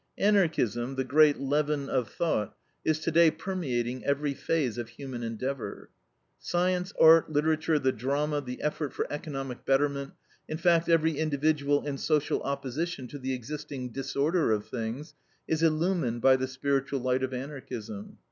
Anarchism, the great leaven of thought, is today permeating every phase of human endeavor. Science, art, literature, the drama, the effort for economic betterment, in fact every individual and social opposition to the existing disorder of things, is illumined by the spiritual light of Anarchism.